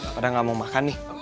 padahal gak mau makan nih